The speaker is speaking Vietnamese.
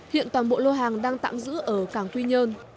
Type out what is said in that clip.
hiện toàn bộ lô hàng đang tạm giữ ở cảng quy nhơn